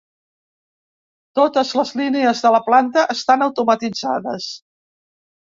Totes les línies de la planta estan automatitzades.